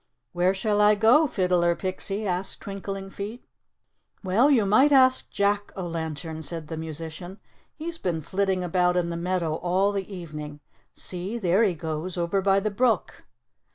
"Where shall I go, Fiddler Pixie?" asked Twinkling Feet. "Well, you might ask Jack o' Lantern," said the musician. "He's been flitting about in the meadow all the evening. See, there he goes over by the brook."